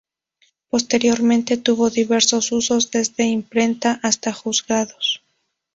Posteriormente tuvo diversos usos desde imprenta hasta juzgados.